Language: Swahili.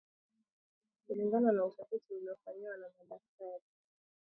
Kulingana na utafiti uliofanywa na madaktari Sanjoy Kumar pal Aparina Gomes